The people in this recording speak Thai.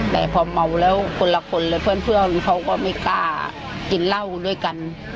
แต่พอเมาแล้วคนละคนเลยเพื่อนเขาก็ไม่กล้ากินเหล้าด้วยกัน